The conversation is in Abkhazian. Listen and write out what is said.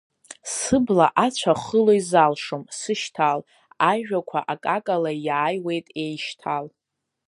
Сыбла ацәа хыло изалшом, сышьҭал, ажәақәа акакала иааиуеит еишьҭал.